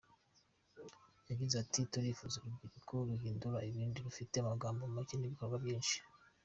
Yagize ati “Turifuza urubyiruko ruhindura ibintu rufite amagambo make n’ibikorwa byinshi.